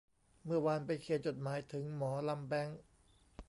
เมื่อวานไปเขียนจดหมายถึงหมอลำแบงค์